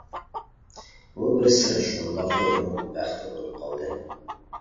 بۇ بىر سىر، شۇنداقلا ئۇنىڭ بەختى بولۇپ قالدى.